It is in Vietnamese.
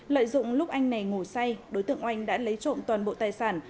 lợi dụng lúc anh này ngủ say đối tượng oanh đã lấy trộm toàn bộ tài sản